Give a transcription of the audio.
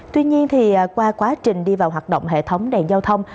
tuy nhiên qua quá trình đi vào hoạt động hệ thống đèn giao thông